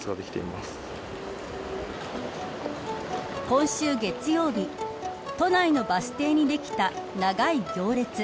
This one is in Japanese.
今週月曜日都内のバス停にできた長い行列。